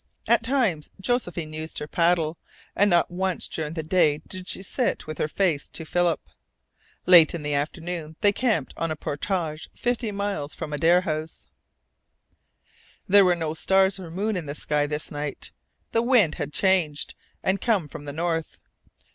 At times Josephine used her paddle, and not once during the day did she sit with her face to Philip. Late in the afternoon they camped on a portage fifty miles from Adare House. There were no stars or moon in the sky this night. The wind had changed, and came from the north.